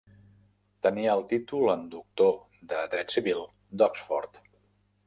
Tenia el títol en Doctor de Dret Civil d'Oxford.